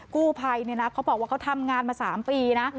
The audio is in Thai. กู้ภัยเนี่ยนะเขาบอกว่าเขาทำงานมา๓ปีนะ